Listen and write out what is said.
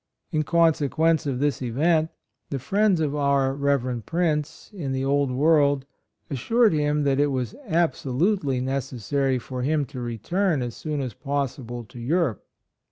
In consequence of this event, the friends of our Rev. Prince in the Old World assured him that it was absolutely necessary for him to re turn as soon as possible to Europe.